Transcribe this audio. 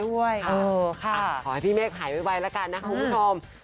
ลดการเจ็บสีด้วยฮะต่อให้พี่เมคหายไว้ปลาดละกันนะครับคุณคม